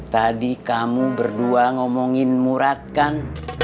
tadi kamu berdua ngomongin murat kan